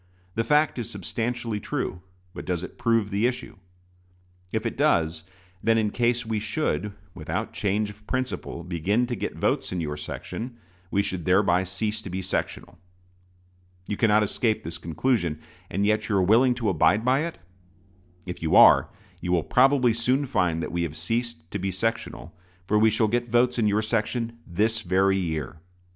The fact is substantially true; but does it prove the issue? If it does, then in case we should, without change of principle, begin to get votes in your section, we should thereby cease to be sectional. You cannot escape this conclusion; and yet are you willing to abide by it? If you are, you will probably soon find that we have ceased to be sectional, for we shall get votes in your section this very year.